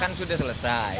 oh kan sudah selesai